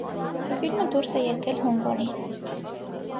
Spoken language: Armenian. Ֆիլմը դուրս է եկել հունվարին։